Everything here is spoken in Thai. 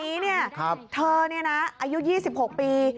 อีกอันบินการนี้เธอนะอายุ๒๖ปี